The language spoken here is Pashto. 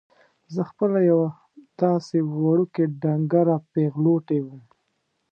زه خپله یوه داسې وړوکې ډنګره پېغلوټې وم.